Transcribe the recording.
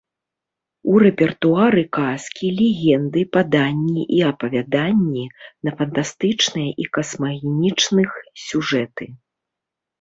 У рэпертуары казкі, легенды, паданні і апавяданні на фантастычныя і касмаганічных сюжэты.